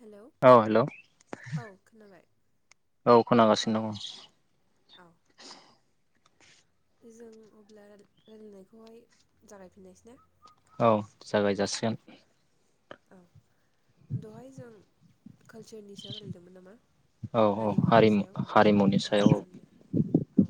Hello औ hello औ खोनाबाय औ खोनागासिनो दङ। औ। जों अब्ला रायलायनायखौहाय जागायफिननायसै ना औ जागाय जासिगोन। औ दहाय जों कालचारनि सायाव रायलायदोंमोन नामा? औ औ हारिमुनि हारिमु सायाव औ हारिमुनि सायाव गाननाय जोमनाय। औ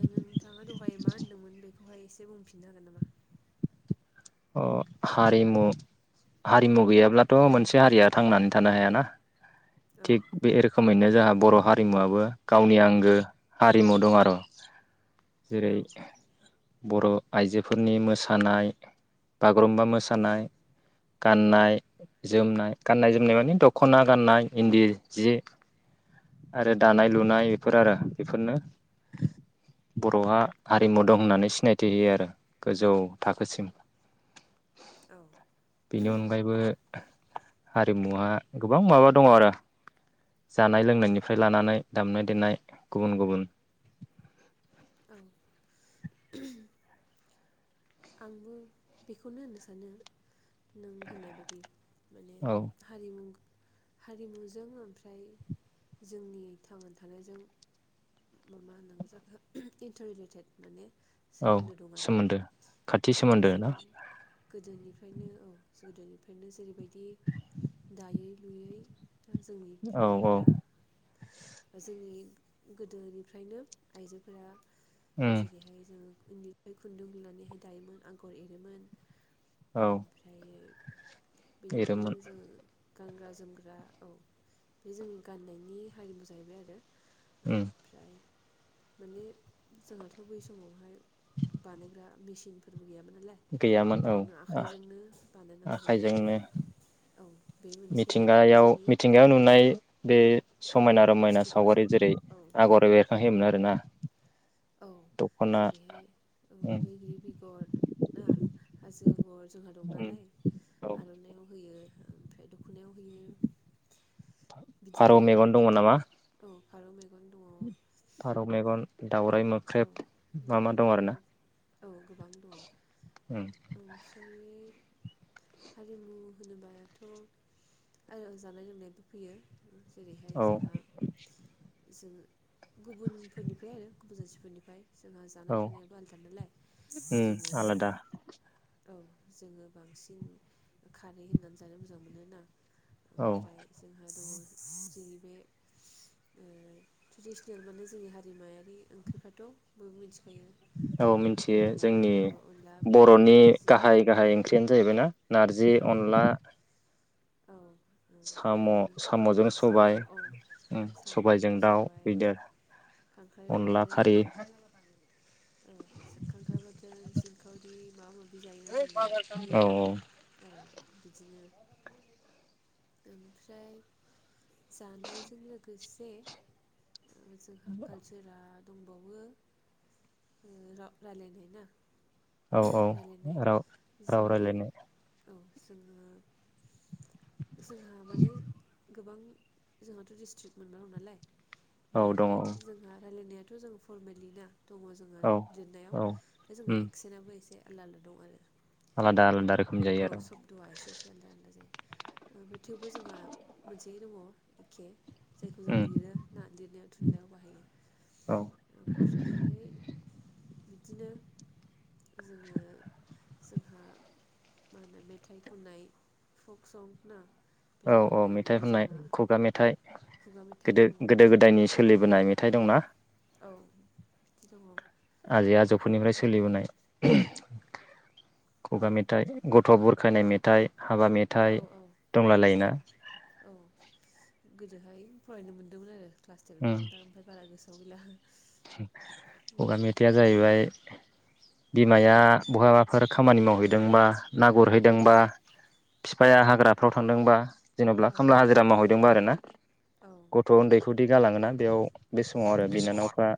ओ नोंथाङा दहाय मा होनदोंमोन बेखौहाय एसे बुंफिननो हागोन नामा? अ हारिमु हारिमु गैयाब्लाथ' मोनसे हारिया थांनानै थानो हायाना औ थिग बे रोखोमैनो जोंहा बर' हारिमुवाबो गावनि आंगो हारिमु दं आरो [unintelligible] जेरै- बर' आइजोफोरनि मोसानाय बागुरुम्बा मोसानाय गाननाय जोमनाय गाननाय जोमनाय माने दख'ना गाननाय इन्दि जि आरो दानाय लुनाय एफोर आरो बेफोरनो बर'आ हारिमु दं होननानै सिनायथि होयो आरो गोजौ थाखोसिम औ बेनि अनगायैबो हारिमुवा गोबां माबा दङ आरो जानाय लोंनायनिफ्राय लानानै दामनाय देनाय गुबुन गुबुन औ आंबो बेखौनो होननो सानो नों होननाय बायदि माने औ हारिमु हारिमुजों ओमफ्राय जोंनि थांनानै थानायजों ओम मा होननांगौ जाखो इन्टार रिलेटेड माने औ सोमोन्दो दं आरो सोमोन्दो खाथि औ सोमोन्दो जों ना गोदोनिफ्रायनो औ गोदोनिफ्रायनो जेरैबायदि दायै लुयै दा जोंनि औ औ बिमाफोरा बा जोंनि गोदोनिफ्रायनो आइजोफोरा उम जेरैहाय जोङो इन्दिनिफ्राय खुन्दुं लुनानैहाय दायोमोन आगर एरोमोन औ ओमफ्रायै बेनिफ्रायनो एरोमोन जोङो गानग्रा जोमग्रा औ बे जोंनि गाननायनि हारिमु जाहैबाय आरो उम ओम फ्राय माने जोंहाथ' बै समावहाय बानायग्रा मेसिनफोरबो गैयामोन नालाय गैयामोन औ गावनो आखाइजोंनो बानाय नांगौ जायोमोन आखाइजोंनो औ बे मोनसे जोंनि बेयाव नुनाय बे समायना रमायना सावगारि बुस्थुफोरजों जेरै- औ आगर एर- ना होयोमोन आरोना औ दख'ना जेरैहाय औ उम बैग्रि बेगर ना हाजो आगर जोंहा दं उम नालाय औ आर'नाइआव होयो ओमफ्राय दख'नायाव होयो फारौ बिदिनो आरो मेगन दङ नामा औ फारौ मेगन दङ फारौ मेगन दावराइ औ मोख्रेब मा मा दावराइ दं आरोना मोख्रेब औ गोबां दङ ओम ओमफ्राय हारिमु होनोबाथ' आरो जानाय लोंनायबो फैयो जेरैहाय औ जोंहा जोङो गुबुनफोरनिफ्राय आरो गुबुन जाथिफोरनिफ्राय जोंहा औ जानाय थानायाबो आलदा नालाय उम जोङो आलादा औ जोङो बांसिन खारै होननानै जानो मोजां मोनोना औ ओमफ्राय जोंहा दङ जोंनि बे ओ ट्रेडिसनेल माने जोंनि हारिमायारि ओंख्रिफ्राथ' बयबो मिथिखायो औ मिथियो अनला जोंनि औ अनला मेवाइ बर'नि नारजि गाहाय गाहाय ओंख्रियानो जाहैबाय ना नार्जि औ अनला औ साम' ओमफ्रायो साम'जों साम' सबाय औ उम सबायजों साम'जों दाउ सबाय बिदि खांख्राइबो अनला खारि बाथोन औ खांख्राइ बाथोन सिंखावरि माबा माबि जायोना जों बिराद। औ औ बिदिनो ओमफ्राय जानायजों लोगोसे ओ जोंहा कालसारा दंबावो ओ र' रायलायनाय ना औ ओ औ रायलायनाय राव राव जोङो रायलायनो औ जोङो जोंहा माने गोबां जोंहाथ' डिस्ट्रिक मोनबा दं नालाय। औ दङ बेयावहाय औ जोंहा रायलायनायाथ' जों फरमेलि ना दङ' जोङा लिरनायाव औ दा जोंहा उम एक्सेन्टआबो एसे आलदा आलदा दं आरो आलादा आलादा रोखोमनि जायो आर'। द'आ एसे एसे आलदा आलदा जायो। ओ बे थेवबो जोंहा मोनसेयै दङ' एखे। जायखौ जों उम लिरो ना लिरनायाव थुनलाइयाव बाहायो। औ ओमफ्रायै बिदिनो जोङो जोंहा मा होनो मेथाइ खननाय फक सं ना। औ मेथाइ औ मेथाइ खननायनि खननाय जोंहा खुगा मेथाइ। खुगा मेथाइ गोदो दङ गोदो गोदायनि सोलिबोनाय मेथाइ दं ना। औ दङ'। आजै आजौफोरनिफ्राय सोलिबोनाय खुगा मेथाइ। गथ' बुरखायनाय मेथाइ हाबा मे औ औ नंगौ थारैनो। औ गोदोहाय फरायनो मोनदोंमोन आरो क्लास उम टेनफ्राव दा ओमफ्राय बारा गोसोआव गैला। खुगा बेनो मेथाइया जाहैबाय बिमाया बहाबाफोर खामानि मावहैदोंबा ना उम गुरहैदोंबा फिफाया हाग्राफ्राव थांदोंबा जेन'ब्ला खामला औ हाजिरा मावहैदोंबा आरो ना औ गथ' उन्दैखौ दि गालाङो ना बेयाव बे समाव आरो बे समाव बिनानावफ्रा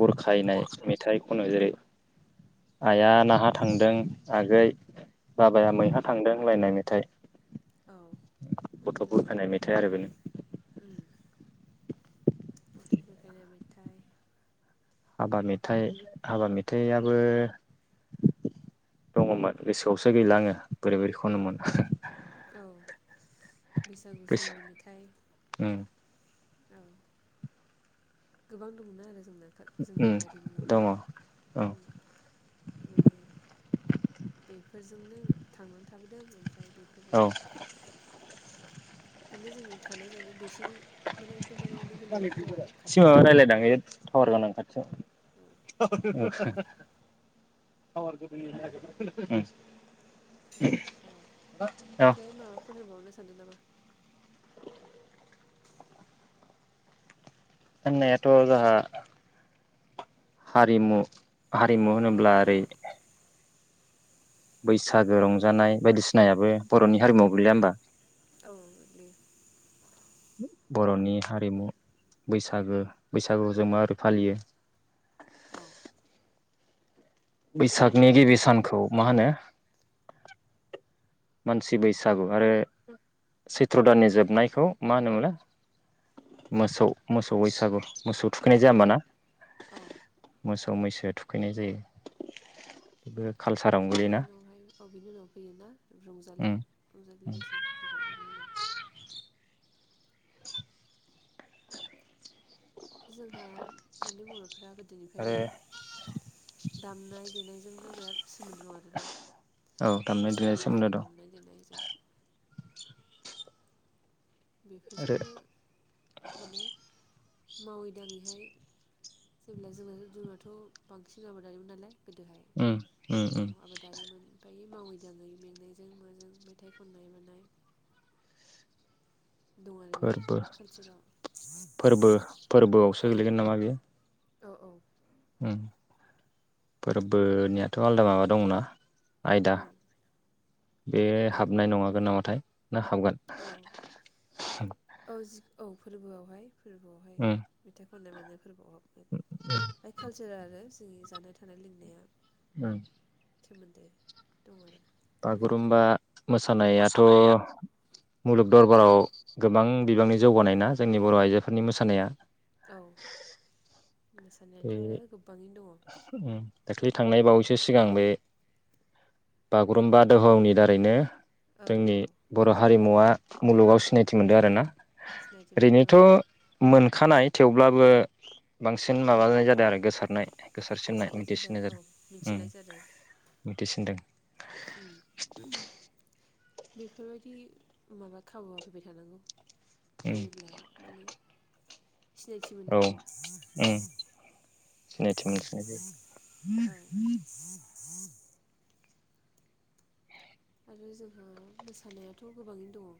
बुरखायनाय बर'खा मेथ थाइ खनो। जेरै आइया नाहा थांदों आगै बाबाया औ मैहा थांदों होनलायनाय मेथाइ। औ नंगौ गथ' नंगौ। बुरखायनाय मेथाइ आरो बेनो ओम गथ' बुरखायनाय मेथाइ। हाबा मेथाइ। हाबा मेथाइयाबो दङ'मोन गोसोआवसो गैला आङो बोरै बोरै खनोमोन [unintelligible] औ बैसागु गोसो समनि मेथाइ उम औ। गोबां दङ' ना आरो जोंना जोंनि उम दङ हारिमुआवहाय औ उम माने बेफोरजोंनो थांनानै थाबोदों ओमफ्राय बे औ। माने जोंनि थानाय जानाय बिसोरजों माने एकदमबारे नों होननाय बायदि दहाय एसे खाथि माबा सोमोन्दो रायलायदां बे टावार गोनां खाथियाव। ओ। [unintelligible] अ औ ओमफ्राय माबाफोर होनबावनो सानदों नामा? होननायाथ' जाहा हारिमु हारिमु होनोब्ला ओरै बैसागो रंजानाय बायदिसिनायाबो बर'नि हारिमुआव गोलैया होमबा? औ गोग्लैयो। बर'नि हारिमु बैसागो बैसागु जों मारै फालियो औ। बैसागनि गिबि सानखौ मा होनो मानसि बैसागु आरो सैथ्र' दाननि जोबनायखौ मा होनोमोन लाय, मोसौ मोसौ बैसागु मोसौ थुखैनाय जाया होमबा ना? औ मोसौ मैसो थुखैनाय जायो बेबो कालसारावनो बेनि गोलैयोना? [unintelligible] औ बिनि उनाव फैयो ना रंजालि उम रंजालि बैसागु फैबाय बिनि उनाव। जोंहा माने बर'फ्रा आरो गोदोनिफ्रायनो दामनाय देनायजोंबो बिराद सोमोन्दो दं आरो ना। औ दामनाय देनाय फोसालि सोमोन्दो एबसु दं दामनाय देनायजों। आरो बेफोरजोंनो माने मावै दाङैहाय। जेब्ला जों जोंनाथ' बांसिन आबादारिमोन नालाय गोदोहाय उम उम उम औ आबाद। दारिमोन मोखायो मावै दाङै मेंनायजों माजों मेथाइ खननाय मानाय। दं आरो फोरबो बिराद कालसाराव फोरबो फोरबोआवसो औ गोलैगोन औ औ ओम फोरबोनियाथ' आलदा माबा दंना? आयदा उम बे हाबनाय नङागोन नामाथाय ना हाबगोन? औ औ जि औ फोरबो आवहाय फोरबो आवहाय, उम मेथाइ खननाय मोननाय फोरबोआव ओमफ्राय कालसार आरो जोंनि जानाय थानाय लोंनाया उम सोमोन्दो दं आरो बागुरुम्बा मोसानायाथ'। मोसानाया मुलुग दरबाराव गोबां बिबांनि जौगानाय ना जोंनि बर' आइजोफोरनि मोसानाया। औ मोसानायाथ' आरो गोबाङैनो दङ। उम दाख्लै थांनाय बावैसो सिगां बे बागुरुम्बा दोहौनि दारैनो दङ औ जोंनि औ बर' हारिमुवा मुलुगाव सिनायथि मोनदों आरोना? सिनायथि मोनदों औ ओरैनोथ' मोनखानाय थेवब्लाबो बांसिन, उम माबानाय जादों आरो गोसारनाय गोसारसिननाय गोसारनाय मिथिसिनाय औ जादों उम, मिथिनाय मिथिसिनदों। ओम, बेफोरबायदि माबा खाबुआ फैबाय थानांगौ। उम होयोब्ला माने सिनायथि औ मोनो आरो उम सिनायथि मोनसिननाय जायो औ आरो जोंहा मोसानायाथ' गोबाङैनो दङ।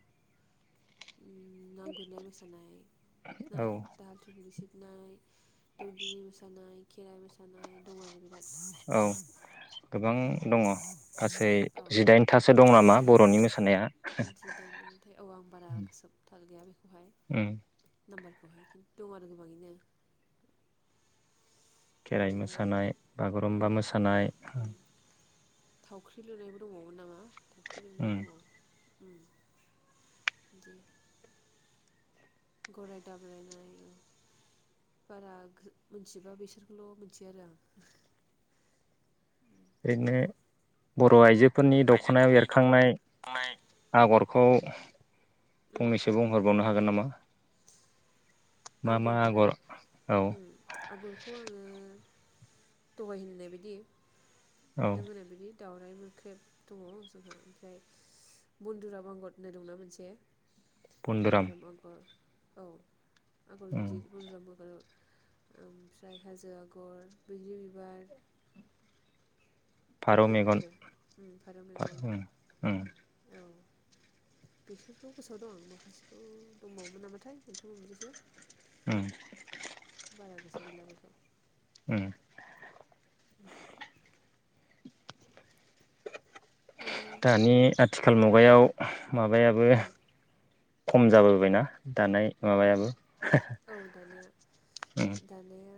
उम ना गुरनाय मोसानाय ना औ दाहाल थुंग्रि सिबनाय, दौदिनि मोसानाय खेराइ मोसानाय दं आरो बिराद औ गोबां दङ। गासै औ जिदाइनथासो दं नामा बर'नि मोसानाया। थाय औ आं बारा गोसोब थाल गैया बेखौहाय। उम, नाम्बारखौहाय खिन्थु आरो गोबाङैनो। ओ खेराइ मोसानाय बागुरुमबा उम मोसानाय। थावख्रि लुनायबो दङबावमोन नामा थावख्रि लुनाय उम दङ। उम बिदि। गराय दाब्रायनाय उम बारा गो मिथिजोबा बिसोरखौल' मिथियो आरो आं। ओरैनो बर'आइजोफोरनि दख'नायाव आइजोफोरनि एरखांनाय दनाय आगरखौ उम फंनैसो बुंहरबावनो हागोन नामा? मा मा आगरखौ दा आगर औ उम आगरखौ आङो दहाय होननाय बायदि औ नों होननाय बायदि दाउराय मोख्रेब दङ जोंहा ओमफ्राय बनन्दुराम आगर होननाय दंना मोनसे बन्दुराम बनदुराम आगर औ आगर उम गिदिर बुन्द्रा आगर ओमफ्राय हाजो आगर बैग्रि बिबार फारौ बेफोरनो मेगन आरो उम फारौ मेगन उम उम औ बेसोरखौ गोसोआव दं आं माखासेखौ दंबावोमोन नामाथाय मोनथाम मोनब्रैसो उम बारा गोसोआव गैला बेखौ। उम, [inaudible] ओ दानि आथिखाल मुगायाव माबायाबो। उम खम जाबोबायना दानाय माबायाबो। औ दानिया उम दानिया।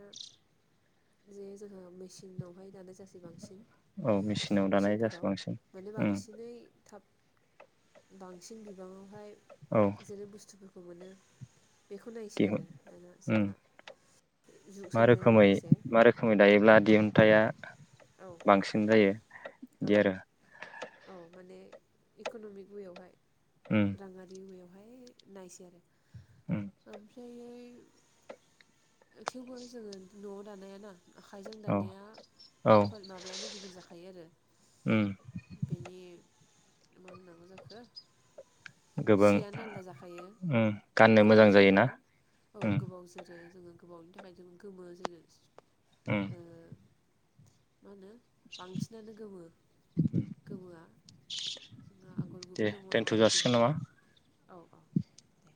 जे जोंहा मेसिनावहाय दानाय जासै बांसिन। औ मेचिनाव दानाय जासै मेचिनफोराव बांसिन माने उम बांसिनै थाब बांसिन बिबाङावहाय औ जेरै बुस्थुफोरखौ मोनो। बेखौ नायसै दिहुन आरो दाना उम जोंहा जुग सोलायनायजों लोगोसे। समै दायोब्ला दिहुन्थाया औ बांसिन जायो। औ बिदि आरो औ माने इकन'मिक वे आवहाय उम राङारि एवेआवहाय नायसै आरो उम ओमफ्रायहाय थेवबो जोङो न'आव दानायाना आखाइजों औ दानाया औ ख माबायानो गुबुन जाखायो आरो। उम बेनि मा होननांगौ जाखो गोबां सियानो आलदा जाखायो उम गाननो मोजां गोबाव जोरो जायोना औ उम गोबाव जोरो जोङो गोबावनि थाखाय जों गोमो जोङो उम ओ मा होनो बांसिनानो गोमो गोमोआ जोंहा आगर गुबै दे दङ आगर दोनथ' गिदिर जासिगोन दं। नामा औ औ दे